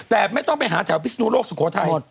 แต่ไม่ต้องไปหาแถวพิศนุโลกสุโขทัย